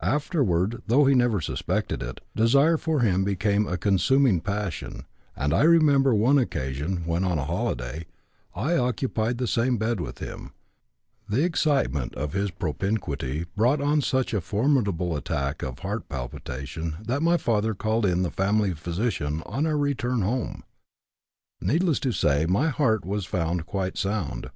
Afterward, though he never suspected it, desire for him became a consuming passion, and I remember on one occasion, when on a holiday, I occupied the same bed with him, the excitement of his propinquity brought on such a formidable attack of heart palpitation that my father called in the family physician on our return home. Needless to say my heart was found quite sound.